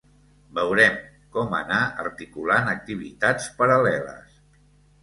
Veurem com anar articulant activitats paral·leles.